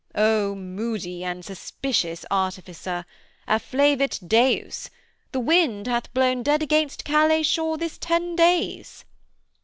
'Oh moody and suspicious artificer. Afflavit deus! The wind hath blown dead against Calais shore this ten days.'